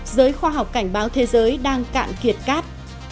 giới khoa học cảnh báo thế giới đang cạn kiệt cát